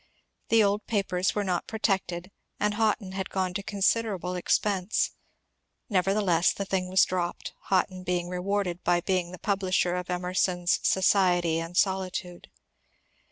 The old papers were not protected, and Hotten had gone to considerable ex pense; nevertheless, the thing was dropped, Hotten being rewarded by being the publisher of Emerson's ^^ Society and Solitude."